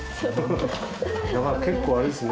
結構あれですね